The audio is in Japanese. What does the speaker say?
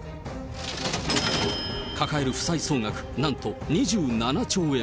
抱える負債総額、なんと２７兆円。